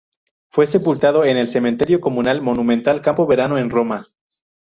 Fue sepultado en el Cementerio comunal monumental Campo Verano en Roma.